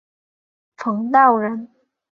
冯道人。